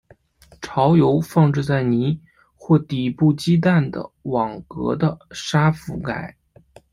巢由放置在泥或底部鸡蛋的网络的沙覆盖。